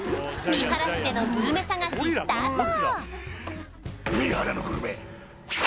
三原市でのグルメ探しスタート